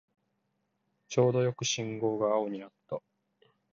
ちょうどよく信号が青になった